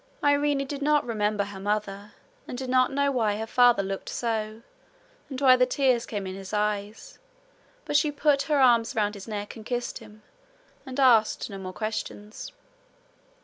Irene did not remember her mother and did not know why her father looked so, and why the tears came in his eyes; but she put her arms round his neck and kissed him, and asked no more questions.